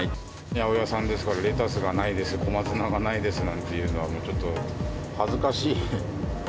八百屋さんですから、レタスがないです、小松菜がないですなんていうのは、もうちょっと恥ずかしい。